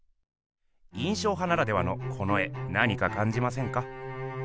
印象派ならではのこの絵なにかかんじませんか？